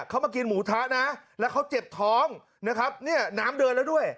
เขามากินหมูทะนะแล้วเขาเจ็บท้องนะครับเนี่ยน้ำเดินแล้วด้วย